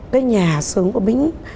cái nhà xưởng của bính